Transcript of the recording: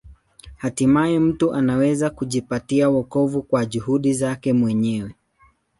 Hatimaye mtu anaweza kujipatia wokovu kwa juhudi zake mwenyewe.